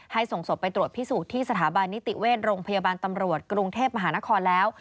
ส่งศพไปตรวจพิสูจน์ที่สถาบันนิติเวชโรงพยาบาลตำรวจกรุงเทพมหานครแล้ว